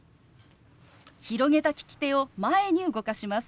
広げた利き手を前に動かします。